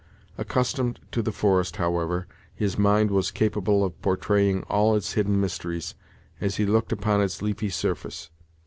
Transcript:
Accustomed to the forest, however, his mind was capable of portraying all its hidden mysteries, as he looked upon its leafy surface.